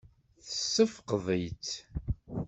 Tessefqed-itt?